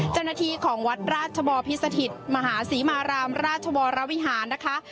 เจ้าหน้าที่ของวัดราชบอพิสถิตมหาศรีมารามราชวรวิหารนะคะ